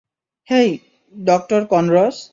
Hey, doctor Connors.